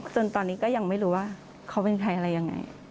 จนตอนนี้ก็ยังไม่รู้ว่าเขาเป็นใครอะไรยังไง